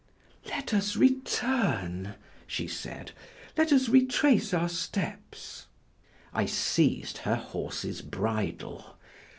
"Let us return," she said, "let us retrace our steps." I seized her horse's bridle.